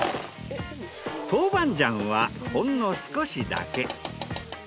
豆板醤はほんの少しだけ。